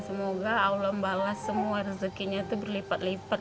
semoga allah membalas semua rezekinya itu berlipet lipet